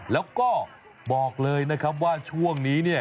แล้วก็บอกเลยนะครับว่าช่วงนี้เนี่ย